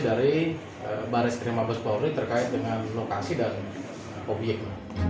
dari bareskrim mabespori terkait dengan lokasi dan obyek